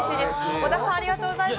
小田さん、ありがとうございます！